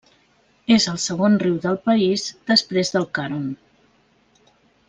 És el segon riu del país després del Karun.